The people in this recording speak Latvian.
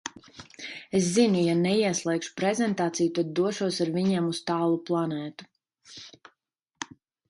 Es zinu – ja neieslēgšu prezentāciju, tad došos ar viņiem uz tālu planētu.